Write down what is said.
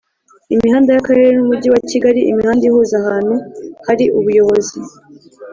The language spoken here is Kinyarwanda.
Imihanda y’Akarere n’Umujyi wa Kigali: imihanda ihuza ahantu hari ubuyobozi